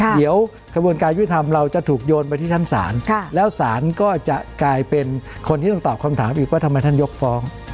เดี๋ยวกระบวนการยุทธรรมเราจะถูกโยนไปที่ชั้นศาลแล้วศาลก็จะกลายเป็นคนที่ต้องตอบคำถามอีกว่าทำไมท่านยกฟ้อง